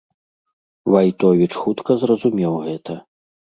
Вайтовіч хутка зразумеў гэта.